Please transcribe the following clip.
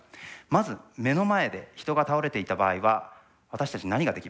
まず目の前で人が倒れていた場合は私たち何ができますか？